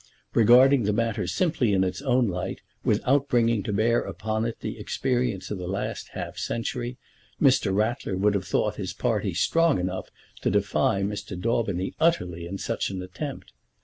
Regarding the matter simply in its own light, without bringing to bear upon it the experience of the last half century, Mr. Ratler would have thought his party strong enough to defy Mr. Daubeny utterly in such an attempt.